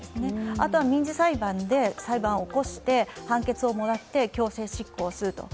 あとは民事裁判で裁判を起こして、判決をもらって、強制執行すると。